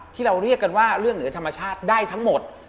ที่เราเรียกกันว่าเรื่องเหนือธรรมชาติได้ทั้งหมด